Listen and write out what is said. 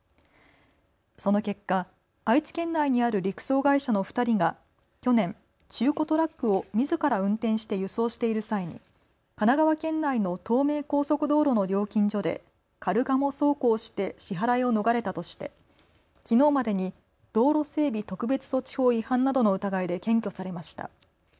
その結果、愛知県内にある陸送会社の２人が去年、中古トラックをみずから運転して輸送している際に神奈川県内の東名高速道路の料金所でカルガモ走行をして支払いを逃れたとしてきのうまでに道路整備特別措置法違反などの疑いで検挙されました。